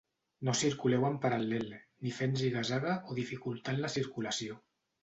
No circuleu en paral·lel, ni fent ziga-zaga o dificultant la circulació.